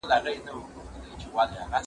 واښه راوړه!.